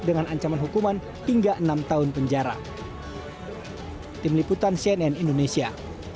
dengan ancaman hukuman hingga enam tahun penjara